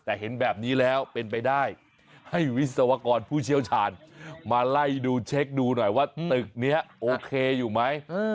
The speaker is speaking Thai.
แต่เห็นแบบนี้แล้วเป็นไปได้ให้วิศวกรผู้เชี่ยวชาญมาไล่ดูเช็คดูหน่อยว่าตึกนี้โอเคอยู่ไหม